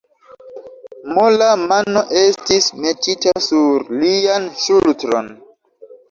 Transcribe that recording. Mola mano estis metita sur lian ŝultron.